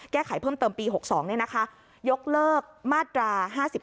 แก้ไขเพิ่มเติมปี๖๒นี่นะคะยกเลิกมาตรา๕๕